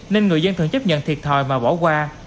nên người dân thường chấp nhận thiệt thòi và bỏ qua